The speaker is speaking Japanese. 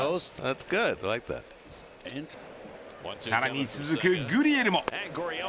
さらに続くグリエルも。